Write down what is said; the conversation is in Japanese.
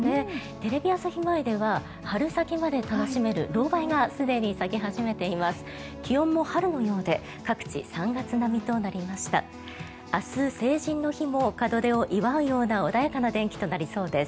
テレビ朝日前では春先まで楽しめるロウバイがすでに咲き始めています。